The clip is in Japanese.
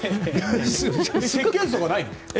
設計図とかないの？